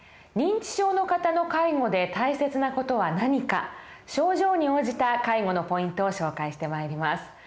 認知症の方の介護で大切な事は何か症状に応じた介護のポイントを紹介してまいります。